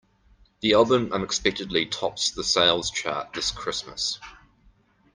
The album unexpectedly tops the sales chart this Christmas.